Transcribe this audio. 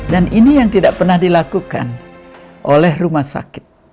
ini yang tidak pernah dilakukan oleh rumah sakit